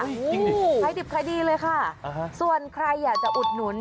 จริงดิใครดิบใครดีเลยค่ะอ่าฮะส่วนใครอยากจะอุดหนุน